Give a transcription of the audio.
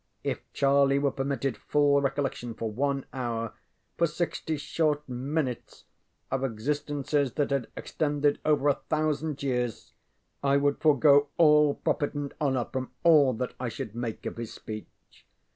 If Charlie were permitted full recollection for one hour for sixty short minutes of existences that had extended over a thousand years I would forego all profit and honor from all that I should make of his speech.